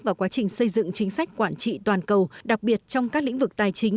vào quá trình xây dựng chính sách quản trị toàn cầu đặc biệt trong các lĩnh vực tài chính